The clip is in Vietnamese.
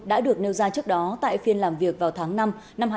đã được nêu ra trước đó tại phiên làm việc vào tháng năm năm hai nghìn hai mươi ba